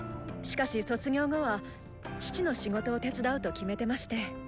しかし卒業後は父の仕事を手伝うと決めてまして。